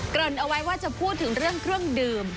ริ่นเอาไว้ว่าจะพูดถึงเรื่องเครื่องดื่ม